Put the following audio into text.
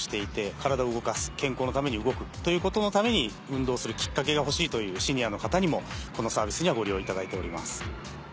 体を動かす健康のために動くということのために運動するきっかけがほしいというシニアの方にもこのサービスはご利用いただいております。